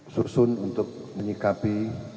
susun untuk menyikapi